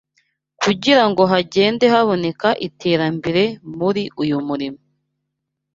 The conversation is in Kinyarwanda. kugira ngo hagende haboneka iterambere muri uyu murimo.